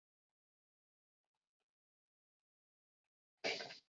该材料被广泛使用在汽车和消费电子产业。